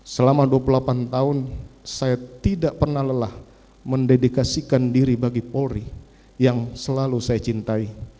selama dua puluh delapan tahun saya tidak pernah lelah mendedikasikan diri bagi polri yang selalu saya cintai